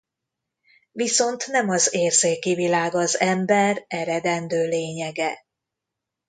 Viszont nem az érzéki világ az ember eredendő lényege.